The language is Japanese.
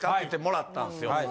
言うてもらったんっすよ。